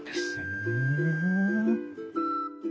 ふん。